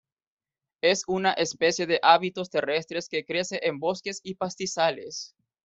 Es una especie de hábitos terrestres que crece en bosques y pastizales.